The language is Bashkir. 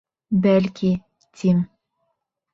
Бәлки, тим...